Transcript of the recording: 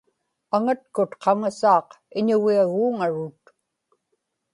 aŋatkut qaŋasaaq iñugiaguuŋarut